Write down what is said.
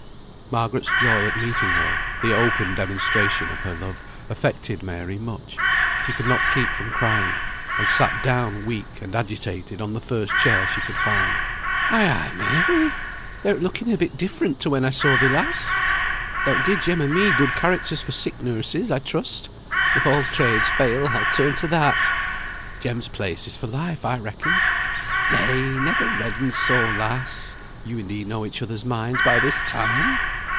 Margaret's joy at meeting her, the open demonstration of her love, affected Mary much; she could not keep from crying, and sat down weak and agitated on the first chair she could find. "Ay, ay, Mary! thou'rt looking a bit different to when I saw thee last. Thou'lt give Jem and me good characters for sick nurses, I trust. If all trades fail, I'll turn to that. Jem's place is for life, I reckon. Nay, never redden so, lass. You and he know each other's minds by this time!"